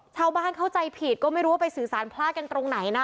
เข้าใจผิดก็ไม่รู้ว่าไปสื่อสารพลาดกันตรงไหนนะ